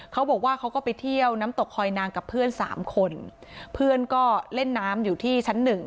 เขาก็ไปเที่ยวน้ำตกคอยนางกับเพื่อนสามคนเพื่อนก็เล่นน้ำอยู่ที่ชั้นหนึ่ง